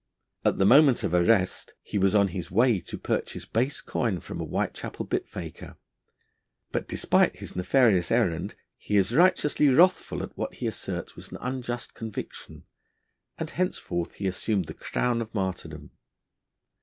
At the moment of arrest he was on his way to purchase base coin from a Whitechapel bit faker: but, despite his nefarious errand, he is righteously wrathful at what he asserts was an unjust conviction, and henceforth he assumed the crown of martyrdom.